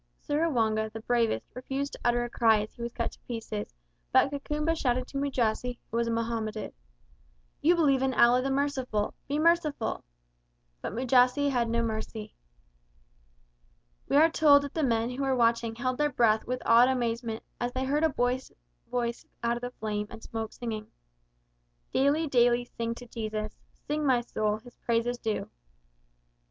Seruwanga, the bravest, refused to utter a cry as he was cut to pieces, but Kakumba shouted to Mujasi, who was a Mohammedan, "You believe in Allah the Merciful. Be merciful!" But Mujasi had no mercy. We are told that the men who were watching held their breath with awed amazement as they heard a boy's voice out of the flame and smoke singing, "Daily, daily sing to Jesus, Sing, my soul, His praises due."